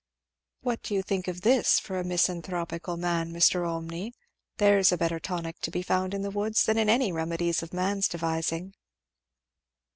"What do you think of this for a misanthropical man, Mr. Olmney? there's a better tonic to be found in the woods than in any remedies of man's devising."